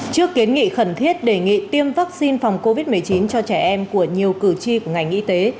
trước kiến nghị khẩn thiết đề nghị tiêm vaccine phòng covid một mươi chín cho trẻ em của nhiều cử tri của ngành y tế